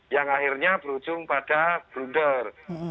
yang akhirnya berujung pada blunder